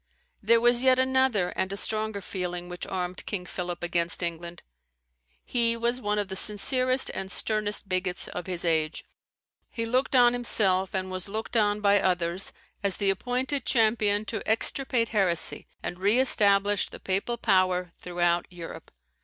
There was yet another and a stronger feeling which armed King Philip against England. He was one of the sincerest and sternest bigots of his age. He looked on himself, and was looked on by others, as the appointed champion to extirpate heresy and re establish the Papal power throughout Europe.